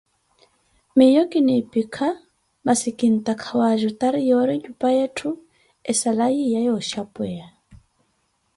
Miiyo kiniipikha masi kintakha wajutariwa yoori nyuupa weettho esala yiiya yooxhapweya.